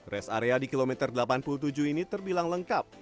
res area di kilometer delapan puluh tujuh ini terbilang lengkap